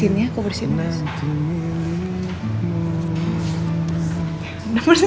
masih dengan setia